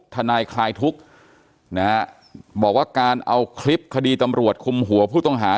ทนายคลายทุกข์นะฮะบอกว่าการเอาคลิปคดีตำรวจคุมหัวผู้ต้องหา